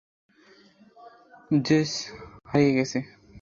JS হারিয়ে গেছে।